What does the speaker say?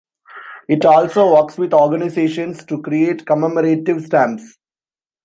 It also works with organizations to create commemorative stamps.